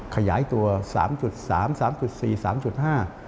ขยายตัว๓๓ต่าง๓๔ต่าง๓๕